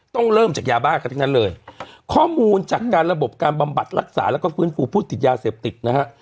ต้องเริ่มจากยาบ้ากันทั้งนั้นเลยข้อมูลจากการระบบการบำบัดรักษาแล้วก็ฟื้นฟูผู้ติดยาเสพติดนะฮะ